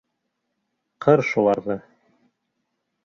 — Ҡыр шуларҙы!